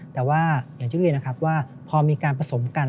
แต่ว่าอย่างที่เรียนนะครับว่าพอมีการผสมกัน